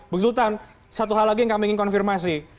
bu sultan satu hal lagi yang kami ingin konfirmasi